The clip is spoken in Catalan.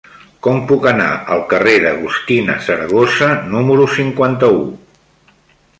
Com puc anar al carrer d'Agustina Saragossa número cinquanta-u?